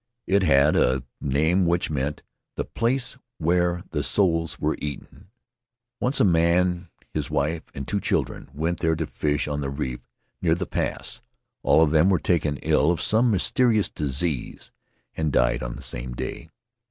It had a name which meant, "The place where the souls were eaten." Once, a man, his wife, and two children went there to fish on the reef near the pass. All of them were taken ill of some mysterious disease, and died on the same day.